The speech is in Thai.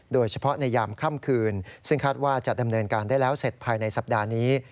โดยเฉพาะในยามค่ำคืนซึ่งคาดว่าจะดำเนินการได้แล้วเสร็จภายในสัปดาห์นี้